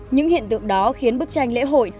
những hiện tượng đó khiến bức tranh lễ hội